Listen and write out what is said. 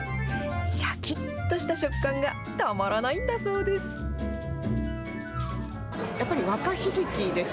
しゃきっとした食感がたまらないんだそうです。